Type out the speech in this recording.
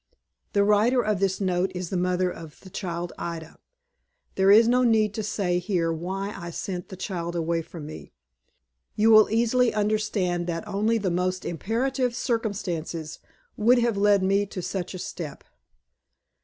The writer of this note is the mother of the child Ida. There is no need to say, here, why I sent the child away from me. You will easily understand that only the most imperative circumstances would have led me to such a step.